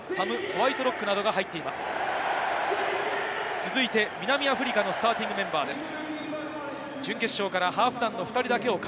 続いて、南アフリカのスターティングメンバーです。